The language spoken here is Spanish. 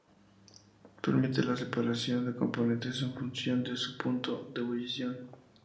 Permite la separación de componentes en función de su punto de ebullición.